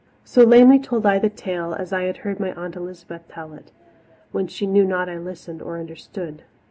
So lamely told I the tale, as I had heard my Aunt Elizabeth tell it, when she knew not I listened or understood.